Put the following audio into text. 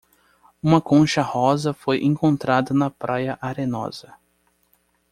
Uma concha rosa foi encontrada na praia arenosa.